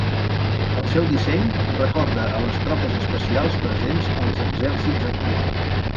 El seu disseny recorda a les tropes especials presents als exèrcits actuals.